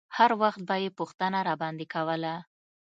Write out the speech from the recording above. هر وخت به يې پوښتنه راباندې کوله.